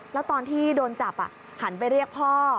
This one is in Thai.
แล้วตอนที่โดนจับหันไปเรียกพ่อ